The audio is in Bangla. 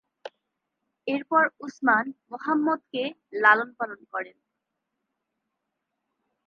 এরপর উসমান মুহাম্মাদকে লালনপালন করেন।